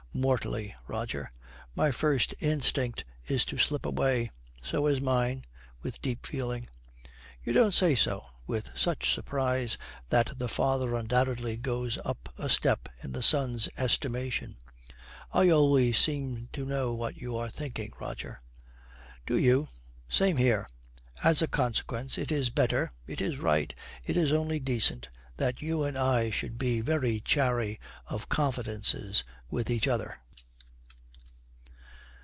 'Mortally, Roger. My first instinct is to slip away.' 'So is mine,' with deep feeling. 'You don't say so!' with such surprise that the father undoubtedly goes up a step in the son's estimation. 'I always seem to know what you are thinking, Roger.' 'Do you? Same here.' 'As a consequence it is better, it is right, it is only decent that you and I should be very chary of confidences with each other.'